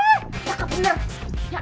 agak baik tau ga